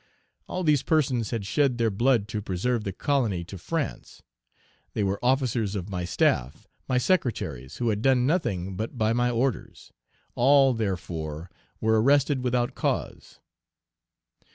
All these persons had shed their blood to preserve the colony to France; they were officers of my staff, my secretaries, who had done nothing but by my orders; all, therefore, were arrested without cause.